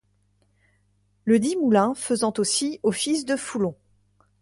Le-dit moulin faisant aussi office de foulon.